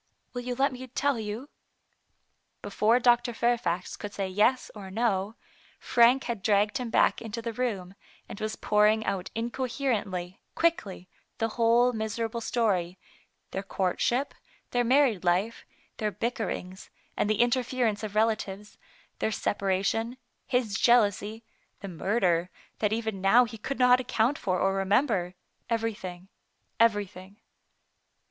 " Will you let me tell you ?" Before Dr. Fair fax could say "Yes," or "No, Frank had dragged him back into the room, and was pour ing out incoherently, quickly, the whole miserable story; their courtship, their married life, their bickerings, and the interference of relatives, their separation, his jealousy, the murder that even now he could not account for or remember — everything, everything.